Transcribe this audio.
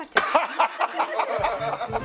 アハハハハ！